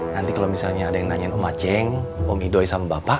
nanti kalo misalnya ada yang nanyain om maceng om ido sama bapak